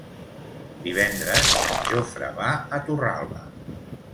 Divendres en Jofre va a Torralba.